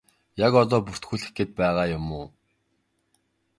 Яг одоо бүртгүүлэх гээд байгаа юм уу?